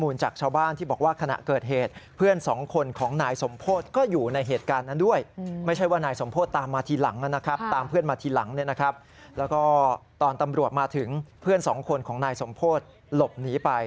แล้วก็ตอนตำรวจมาถึงเพื่อนสองคนของนายสมโพธิหลบหนีไป